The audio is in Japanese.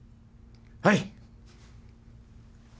はい！